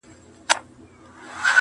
د دوی مېله د خپلو فاميلونو سره وي.